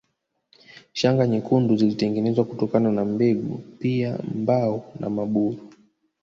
Shanga nyekundu zilitengenezwa kutokana na mbegu pia mbao na maburu